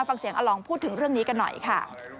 ฟังเสียงอลองพูดถึงเรื่องนี้กันหน่อยค่ะ